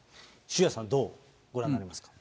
修也さん、どうご覧になりますか。